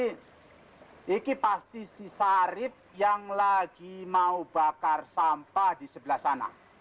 ini pasti si sarip yang lagi mau bakar sampah di sebelah sana